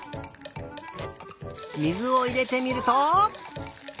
水をいれてみると。